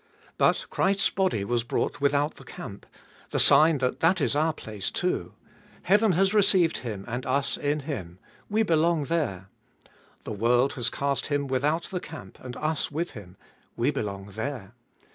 But Christ's body was brought without the camp : the sign that that is our place too. Heaven has re ceived Him and us in Him : we belong there. The world has cast Him without the camp, and us with Him : we belong there.